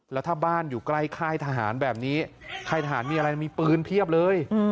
แล้วถ้าบ้านอยู่ใกล้ค่ายทหารแบบนี้ค่ายทหารมีอะไรมีปืนเพียบเลย